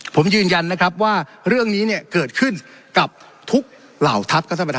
ผมยืนยันว่าเรื่องนี้เกิดขึ้นกับทุกเหล่าทัพ